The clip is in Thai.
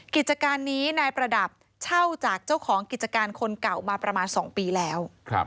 กิจการนี้นายประดับเช่าจากเจ้าของกิจการคนเก่ามาประมาณ๒ปีแล้ว